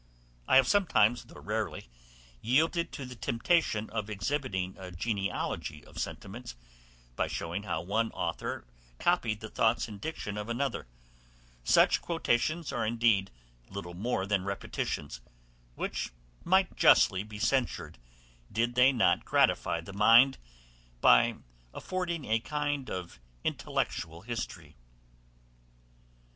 I have sometimes, though rarely, yielded to the temptation of exhibiting a genealogy of sentiments, by showing how one author copied the thoughts and diction of another: such quotations are indeed little more than repetitions, which might justly be censured, did they not gratify the mind, by affording a kind of intellectual history.